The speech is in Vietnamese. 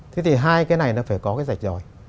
thế thì hai cái này nó phải có cái dạch rồi